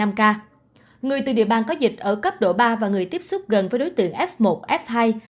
người từ địa bàn có dịch ở cấp độ ba và người tiếp xúc gần với đối tượng f một f hai